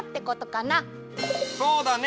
そうだね。